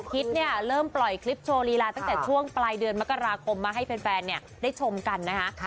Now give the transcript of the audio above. ทิศเนี่ยเริ่มปล่อยคลิปโชว์ลีลาตั้งแต่ช่วงปลายเดือนมกราคมมาให้แฟนได้ชมกันนะคะ